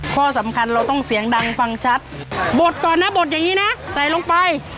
ข้อสำคัญเราต้องเสียงดังฟังชัดบดก่อนนะบดอย่างนี้นะใส่ลงไป